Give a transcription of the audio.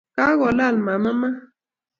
Kagolaal mama maat